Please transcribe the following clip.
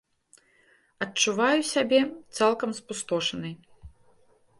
Адчуваю сябе цалкам спустошанай.